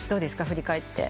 振り返って。